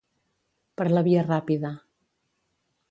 Per la via ràpida.